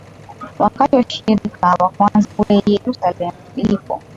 wakati wa ushirika wa kwanza kule Yerusalemu Filipo